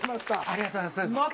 ありがとうございます。